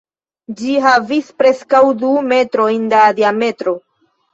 Ĝi havis preskaŭ du metrojn da diametro.